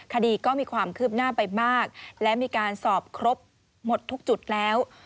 คดีก็มีความคืบหน้าไปมากและมีการสอบครบหมดทุกจุดแล้ว